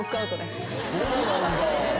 そうなんだ。